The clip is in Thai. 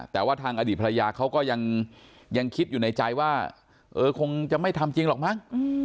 แต่ว่าทางอดีตภรรยาเขาก็ยังคิดอยู่ในใจว่าเออคงจะไม่ทำจริงหรอกมั้ง